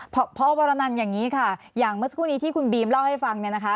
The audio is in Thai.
พอวรนันอย่างนี้ค่ะอย่างเมื่อสักครู่นี้ที่คุณบีมเล่าให้ฟังเนี่ยนะคะ